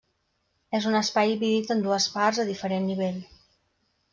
És un espai dividit en dues parts a diferent nivell.